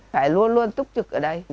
phải luôn luôn túc trực ở đây